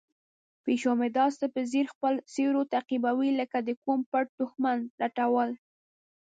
پیشو مې داسې په ځیر خپل سیوری تعقیبوي لکه د کوم پټ دښمن لټول.